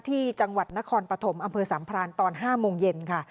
ที่จังหวัดนครปฐมอำเภอสัมพรานตอน๕โมงเย็นค่ะ